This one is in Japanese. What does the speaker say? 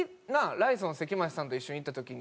ライスの関町さんと一緒に行った時に。